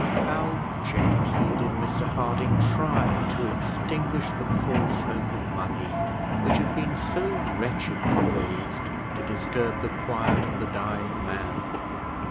How gently did Mr Harding try to extinguish the false hope of money which had been so wretchedly raised to disturb the quiet of the dying man!